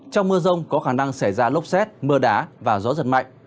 trong mưa rông có khả năng xảy ra lốc xét mưa đá và gió giật mạnh